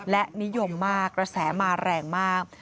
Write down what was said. และนิยมมากกระแสมาแรงมาก